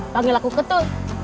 panggil aku ketul